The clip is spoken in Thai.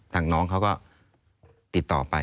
ทางน้องเขาก็ติดต่อไป